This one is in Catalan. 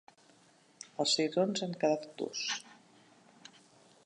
Els cigrons han quedat durs.